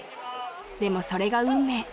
でもそれが運命